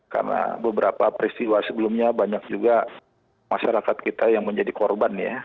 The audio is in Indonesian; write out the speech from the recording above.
karena beberapa peristiwa sebelumnya banyak juga masyarakat kita yang menjadi korban ya